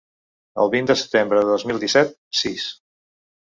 El vint de setembre de dos mil disset; sis.